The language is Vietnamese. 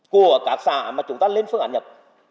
của các xã mà chúng ta lên phương án nhập